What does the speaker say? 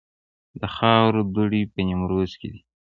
د خاورو دوړې په نیمروز کې دي